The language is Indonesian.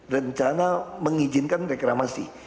rencana mengijinkan reklamasi